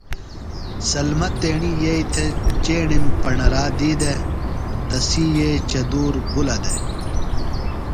سلمہ تیݨیی یئییۡ تھےۡ چیݨیم پݨرا دی دےۡ تسی ییی چدُور بلہ دے ۔